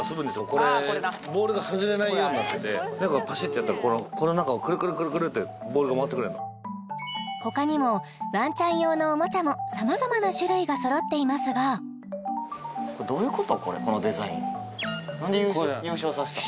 これボールが外れないようになっててパシッてやったらこの中をくるくるくるってボールが回ってくれんの他にもワンちゃん用のおもちゃもさまざまな種類がそろっていますがなんで優勝させたん？